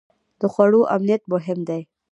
د خوړو امنیت مهم دی.